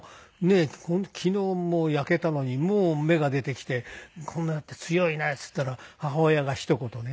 昨日焼けたのにもう芽が出てきてこんななって「強いね」って言ったら母親がひと言ね